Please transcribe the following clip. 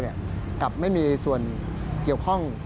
และไม่มีส่วนเกี่ยวคร่อง